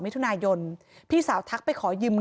มีเรื่องอะไรมาคุยกันรับได้ทุกอย่าง